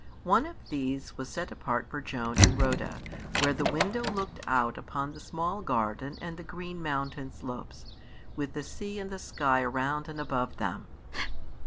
One of these was set apart for Joan and Rhoda, where the window looked out upon the small garden and the green mountain slopes, with the sea and the sky around and above them.